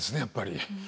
やっぱり。